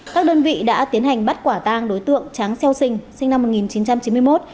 các đơn vị đã tiến hành bắt quả tang đối tượng tráng xeo sình sinh năm một nghìn chín trăm chín mươi một